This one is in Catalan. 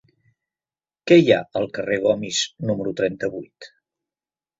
Què hi ha al carrer de Gomis número trenta-vuit?